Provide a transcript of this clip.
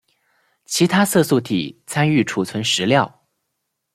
其他色素体参与储存食料。